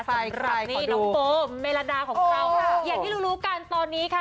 สำหรับนี่น้องโบมิลลาดาของเกราะอย่างที่รู้กันตอนนี้ค่ะ